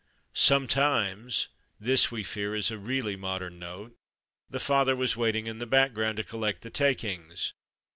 Sometimes this we fear is really a modern note the father was waiting in the back ground to collect the takings